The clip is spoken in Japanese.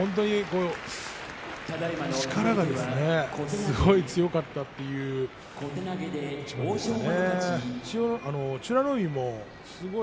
力がすごく強かったという一番でしたね。